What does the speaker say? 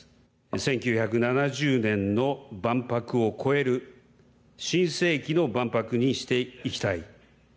１９７０年の万博を超える新世紀の万博にしていきたい。